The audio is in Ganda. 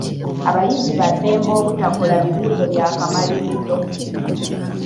Abayizi ba ddembe obutakola bibuuzo by'akamalirizo.